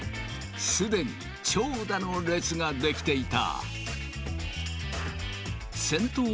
すでに長蛇の列が出来ていた。